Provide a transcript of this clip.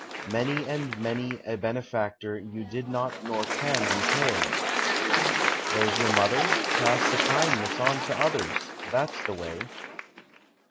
Many and many a benefactor you did not nor can repay There's your mother. Pass the kindness on to others that's the way.